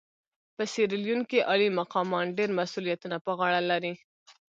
په سیریلیون کې عالي مقامان ډېر مسوولیتونه پر غاړه لري.